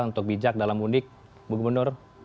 yang sangat bijak dalam mudik bu gubernur